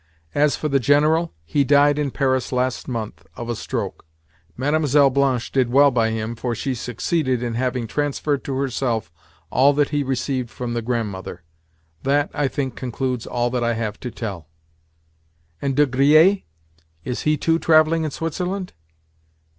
As for the General, he died in Paris last month, of a stroke. Mlle. Blanche did well by him, for she succeeded in having transferred to herself all that he received from the Grandmother. That, I think, concludes all that I have to tell." "And De Griers? Is he too travelling in Switzerland?"